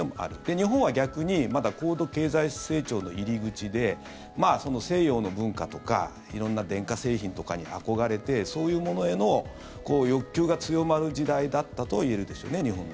日本は逆にまだ高度経済成長の入り口で西洋の文化とか色んな電化製品とかに憧れてそういうものへの欲求が強まる時代だったといえるでしょうね。